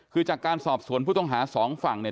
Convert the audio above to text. คือจากการสอบสวนผู้ต้องหาสองฝั่งเนี่ย